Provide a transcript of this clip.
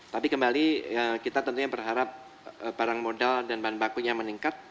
tapi kembali kita tentunya berharap barang modal dan bahan bakunya meningkat